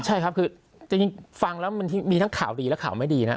ใช่ครับคือจริงฟังแล้วมันมีทั้งข่าวดีและข่าวไม่ดีนะ